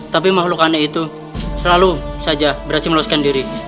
tapi makhluk aneh itu selalu saja berhasil meloloskan diri